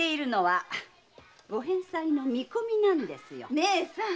義姉さん